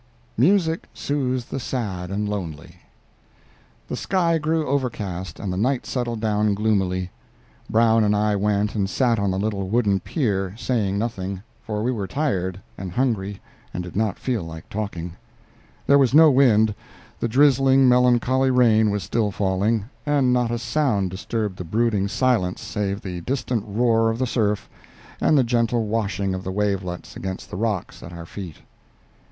"MUSIC SOOTHES THE SAD AND LONELY" The sky grew overcast, and the night settled down gloomily. Brown and I went and sat on the little wooden pier, saying nothing, for we were tired and hungry and did not feel like talking. There was no wind; the drizzling, melancholy rain was still falling, and not a sound disturbed the brooding silence save the distant roar of the surf and the gentle washing of the wavelets against the rocks at our feet.